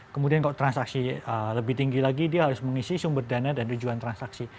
kemudian kalau transaksi lebih tinggi lagi dia harus mengisi sumber dana dan tujuan transaksi